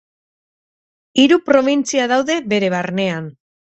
Hiru probintzia daude bere barnean.